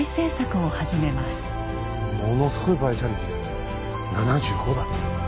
ものすごいバイタリティーだね７５だって。